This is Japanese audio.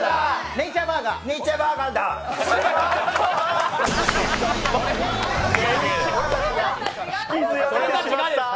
ネイチャーバーガーネイチャーバーガーだぁ。